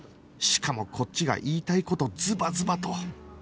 しかもこっちが言いたい事ズバズバと